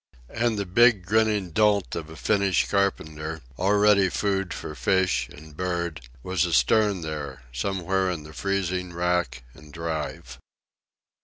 And the big grinning dolt of a Finnish carpenter, already food for fish and bird, was astern there somewhere in the freezing rack and drive.